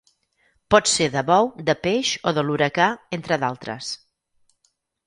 Pot ser de bou, de peix o de l'huracà, entre d'altres.